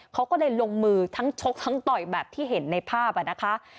เขาก็เลยลงมือทั้งชกทั้งต่อยแบบที่เห็นในภาพนะคะ